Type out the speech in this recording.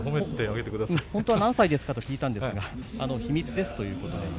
本当は何歳ですか？と聞いたんですが秘密ですという答えでした。